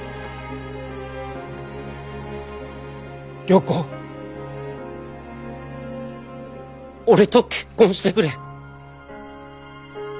良子俺と結婚してくれ。